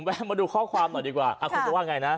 ผมแวะมาดูข้อความหน่อยดีกว่าคุณจะว่าอย่างไรนะ